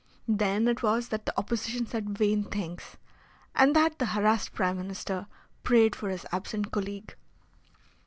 Then it was that the Opposition said vain things, and that the harassed Prime Minister prayed for his absent colleague.